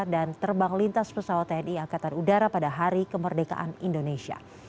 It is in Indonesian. dan terbang lintas pesawat tni angkatan udara pada hari kemerdekaan indonesia